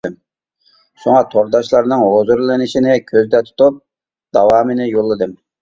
شۇڭا تورداشلارنىڭ ھۇزۇرلىنىشىنى كۆزدە تۇتۇپ داۋامىنى يوللىدىم.